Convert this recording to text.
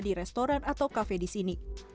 di restoran atau kafe di sini